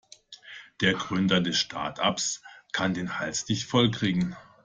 Der Gründer des Startups kann den Hals nicht voll kriegen.